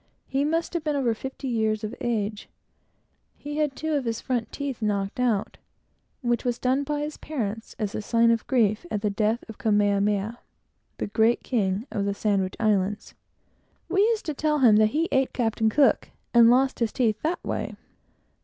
He must have been over fifty years of age, and had two of his front teeth knocked out, which was done by his parents as a sign of grief at the death of Kamehameha, the great king of the Sandwich Islands. We used to tell him that he ate Captain Cook, and lost his teeth in that way.